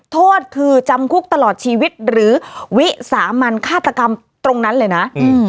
โทษคือจำคุกตลอดชีวิตหรือวิสามันฆาตกรรมตรงนั้นเลยนะอืม